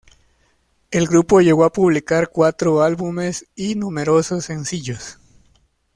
El grupo llegó a publicar cuatro álbumes, y numerosos sencillos.